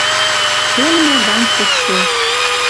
селмӓ гань шоссе.